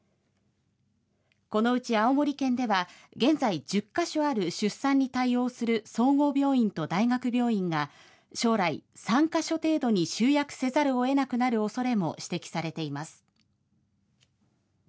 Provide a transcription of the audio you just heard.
このうち青森県では、現在１０か所ある出産に対応する総合病院と大学病院が将来、３か所程度に集約せざるをえなくなるおそれも指摘されています。